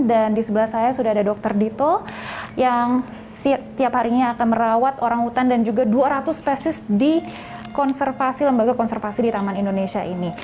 dan di sebelah saya sudah ada dokter dito yang setiap harinya akan merawat orang utan dan juga dua ratus spesies di lembaga konservasi di taman indonesia ini